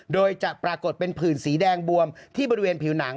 โดยจะปรากฏเป็นผื่นสีแดงบวมที่บริเวณผิวหนัง